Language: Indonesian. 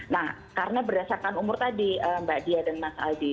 nah karena berdasarkan umur tadi mbak dia dan mas aldi